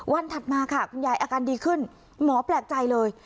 ถัดมาค่ะคุณยายอาการดีขึ้นหมอแปลกใจเลย